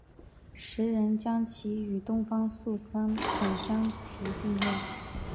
时人将其与东方朔等相提并比。